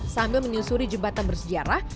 sambil menyusuri jembatan bersejarah